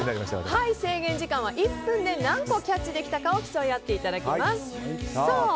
制限時間は１分で何個キャッチできるか競っていただきます。